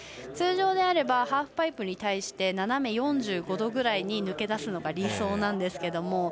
通常ならばハーフパイプに対して斜め４５度ぐらいに抜け出すのが理想なんですけれども。